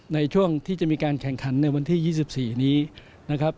ในช่วงที่จะมีการแข่งขันในวันที่๒๔นี้นะครับ